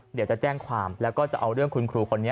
เดี๋ยวจะแจ้งความแล้วก็จะเอาเรื่องคุณครูคนนี้